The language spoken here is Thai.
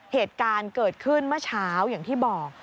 เหตุการณ์เกิดขึ้นเมื่อเช้าอย่างที่บอก